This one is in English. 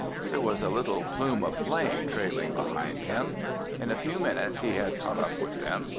There was a little plume of flame trailing behind him. In a few minutes he had caught up with them.